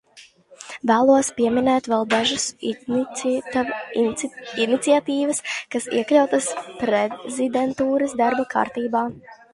Vēlos pieminēt vēl dažas iniciatīvas, kas iekļautas prezidentūras darba kārtībā.